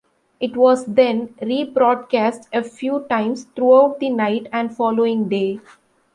It was then re-broadcast a few times throughout the night and following day.